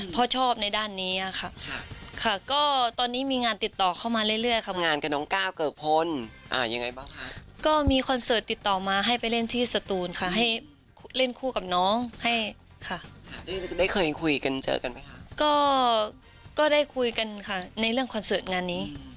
เพราะชอบในด้านนี้